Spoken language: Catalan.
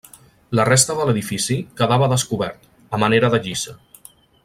La resta de l'edifici quedava descobert, a manera de lliça.